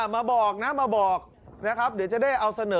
มาบอกนะมาบอกนะครับเดี๋ยวจะได้เอาเสนอ